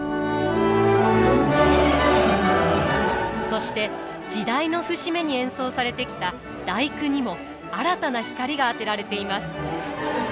そして時代の節目に演奏されてきた「第９」にも新たな光が当てられています。